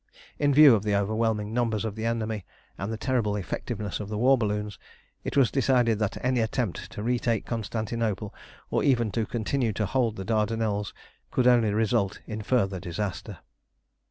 In view of the overwhelming numbers of the enemy, and the terrible effectiveness of the war balloons, it was decided that any attempt to retake Constantinople, or even to continue to hold the Dardanelles, could only result in further disaster.